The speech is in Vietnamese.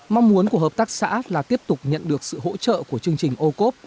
mong muốn của hợp tác xã là tiếp tục nhận được sự hỗ trợ của chương trình ô cốp